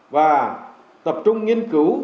và tập trung nghiên cứu